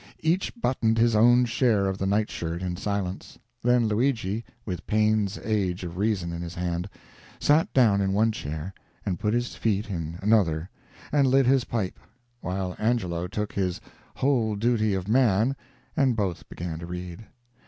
Each buttoned his own share of the nightshirt in silence; then Luigi, with Paine's Age of Reason in his hand, sat down in one chair and put his feet in another and lit his pipe, while Angelo took his Whole Duty of Man, and both began to read.